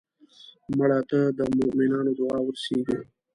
مړه ته د مومنانو دعا ورسېږي